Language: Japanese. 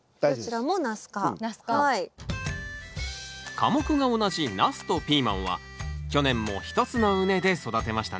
科目が同じナスとピーマンは去年も１つの畝で育てましたね